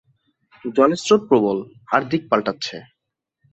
জলের স্রোত প্রবল আর দিক পাল্টাচ্ছে।